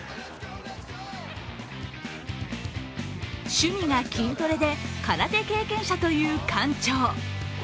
趣味が筋トレで、空手経験者という館長。